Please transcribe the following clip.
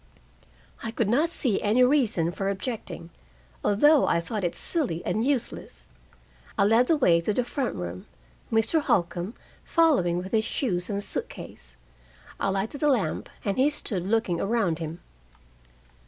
I could not see any reason for objecting, although I thought it silly and useless. I led the way to the front room, Mr. Holcombe following with his shoes and suit case. I lighted a lamp, and he stood looking around him.